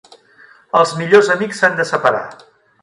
Els millors amics s'han de separar.